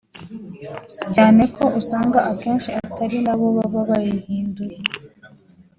cyane ko usanga akenshi atari na bo baba bayihinduye